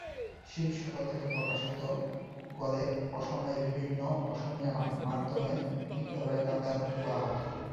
শিবসাগর থেকে প্রকাশিত করে অসমের বিভিন্ন অসমীয়া মাধ্যমের বিদ্যালয়ে তা প্রেরন করা হত।